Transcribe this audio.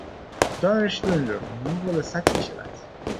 Doamnelor și domnilor, nu vă lăsați înșelați.